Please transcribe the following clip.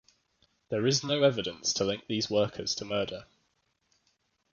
There is no evidence to link these workers to the murder.